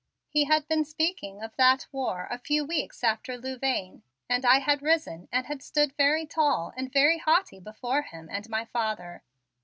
He had been speaking of that war a few weeks after Louvaine and I had risen and had stood very tall and very haughty before him and my father.